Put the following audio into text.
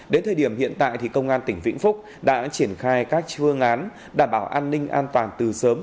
đến thời điểm hiện tại thì công an tỉnh vĩnh phúc đã triển khai các phương án đảm bảo an ninh an toàn từ sớm